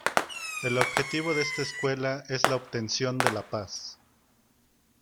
El objetivo de esta escuela es la obtención de la paz.